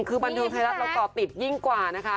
คือบันทึกไทยรัตบ์เราต่อปิดยิ่งกว่านะคะ